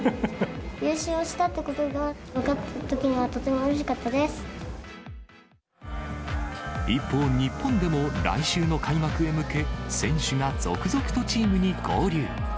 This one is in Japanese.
優勝したってことが分かったとき一方、日本でも、来週の開幕へ向け、選手が続々とチームに合流。